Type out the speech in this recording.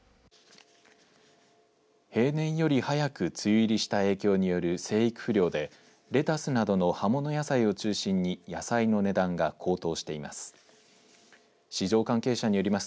平年より早く梅雨入りした影響による生育不良でレタスなどの葉物野菜を中心に野菜の値段が高騰しています。